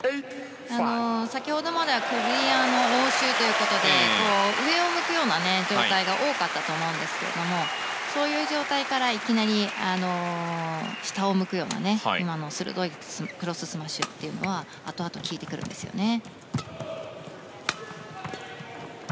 先ほどまではクリアの応酬ということで上を向くような状態が多かったと思うんですけれどもそういう状態からいきなり下を向くような今の鋭いクロススマッシュはあとあと効いてくるんですよね。